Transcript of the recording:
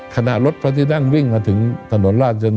ขณะรถพลติดั่งวิ่งมาถึงถนนราชดำเนิน